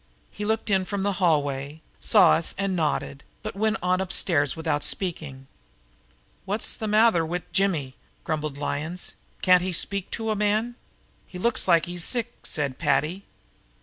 He looked in from the hallway, saw us and nodded, but went on upstairs without speaking. "What's the matther wid Jimmy?" grumbled Lyons. "Can't he speak to a man?" "He looks like he was sick," said Paddy.